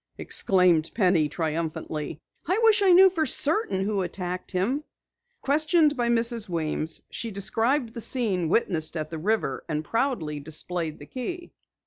exclaimed Penny triumphantly. "I wish I knew for certain who attacked him." Questioned by Mrs. Weems, she described the scene witnessed at the river, and proudly displayed the key.